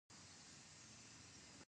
ایا بیا به راشئ؟